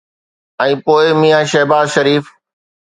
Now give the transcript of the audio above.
۽ پوءِ ميان شهباز شريف.